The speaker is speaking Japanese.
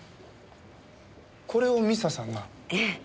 これを未紗さんが？ええ。